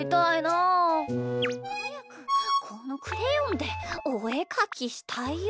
はやくこのクレヨンでおえかきしたいよ。